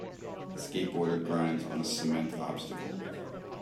A skateboarder grinds on a cement obstacle.